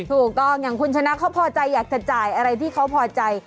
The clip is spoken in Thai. ถูกต้องอย่างคุณชนะเขาพอใจอยากจะจ่ายอะไรที่เขาพอใจ